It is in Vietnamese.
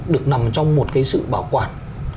được nằm trong một cái sự bảo quản